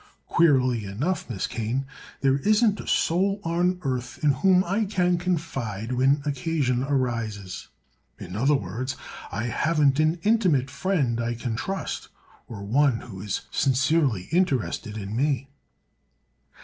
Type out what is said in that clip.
Queerly enough, Miss Kane, there isn't a soul on earth in whom I can confide when occasion arises. In other words, I haven't an intimate friend I can trust, or one who is sincerely interested in me."